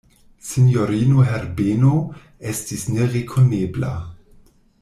Sinjorino Herbeno estis nerekonebla.